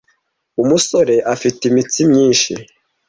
umusore afite imitsi myinshi.